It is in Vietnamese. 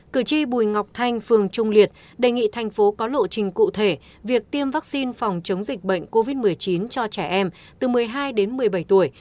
cử tri bùi ngọc thanh phường trung liệt đề nghị thành phố có lộ trình cụ thể việc tiêm vaccine phòng chống dịch bệnh covid một mươi chín cho trẻ em từ một mươi hai đến một mươi bảy tuổi